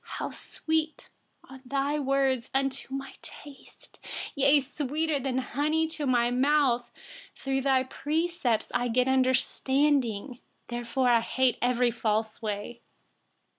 103How sweet are your promises to my taste, more than honey to my mouth! 104Through your precepts, I get understanding; therefore I hate every false way.